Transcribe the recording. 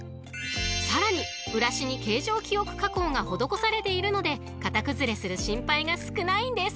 ［さらにブラシに形状記憶加工が施されているので形崩れする心配が少ないんです］